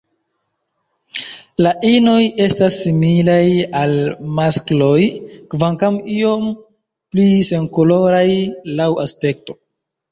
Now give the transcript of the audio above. La inoj estas similaj al maskloj kvankam iom pli senkoloraj laŭ aspekto.